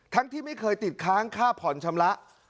ที่ไม่เคยติดค้างค่าผ่อนชำระ